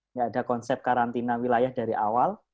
nggak ada konsep karantina wilayah dari awal